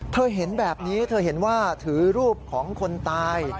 เธอเห็นแบบนี้เธอเห็นว่าถือรูปของคนตาย